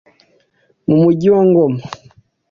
mu Mujyi wa Goma